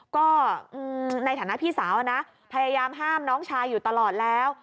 ก็ในฐานะพี่สาวนะพยายามห้ามน้องชายอยู่ตลอดแล้ว